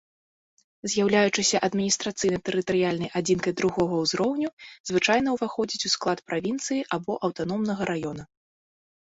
З'яўляючыся адміністрацыйна-тэрытарыяльнай адзінкай другога ўзроўню, звычайна ўваходзіць у склад правінцыі або аўтаномнага раёна.